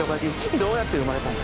どうやって生まれたんだ。